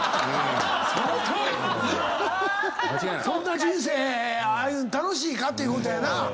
そんな人生楽しいかということやな。